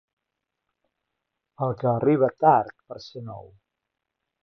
El que arriba tard per ser nou.